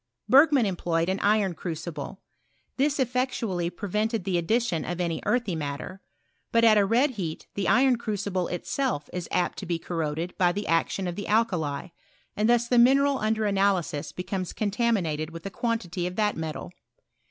Berg man employed an iron crucible. This effectually prevented the addition of any earthy matter. But at a red heat the iron crucible itself is apt to be corroded by the action of the alkali, and thus the mineral under analysis becomes contaminated with a quantity of that metal.